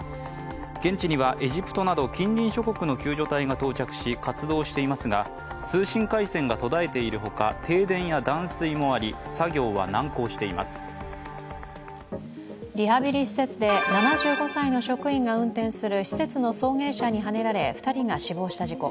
現地にはエジプトなど近隣諸国の救助隊が到着し活動を続けていますが通信回線が途絶えているほか停電や断水もありリハビリ施設で７５歳の職員が運転する施設の送迎車にはねられ２人が死亡した事故。